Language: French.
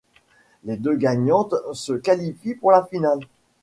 Les deux gagnantes se qualifient pour la finale.